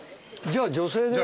じゃあ女性で。